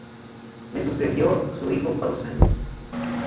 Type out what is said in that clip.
Le sucedió su hijo Pausanias.